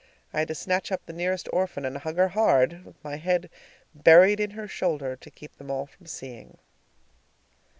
I had to snatch up the nearest orphan and hug her hard, with my head buried in her shoulder, to keep them all from seeing.